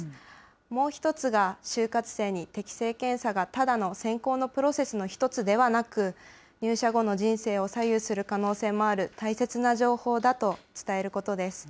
もう１つが就活生に適性検査がただの選考のプロセスの１つではなく、入社後の人生を左右する可能性もある大切な情報だと伝えることです。